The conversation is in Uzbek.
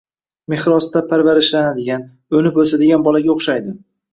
mehr ostida parvarishlanadigan, o‘nib o‘sadigan bolaga o‘yshaydi.